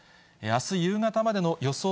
あす夕方までの予想